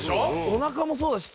おなかもそうだし